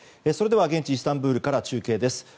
それでは現地イスタンブールから中継です。